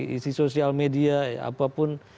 isi sosial media apapun